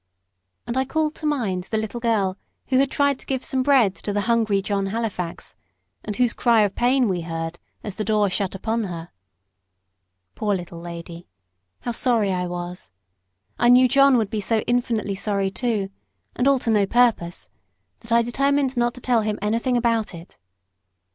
And I called to mind the little girl who had tried to give some bread to the hungry John Halifax, and whose cry of pain we heard as the door shut upon her. Poor little lady! how sorry I was. I knew John would be so infinitely sorry too and all to no purpose that I determined not to tell him anything about it.